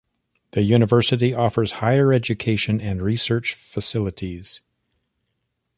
The university offers higher education and research facilities.